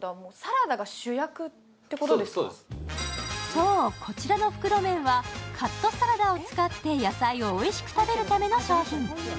そう、こちらの袋麺はカットサラダを使って野菜をおいしく食べるための商品。